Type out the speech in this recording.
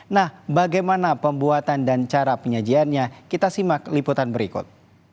nah bagaimana pembuatan dan cara penyajiannya kita simak liputan berikut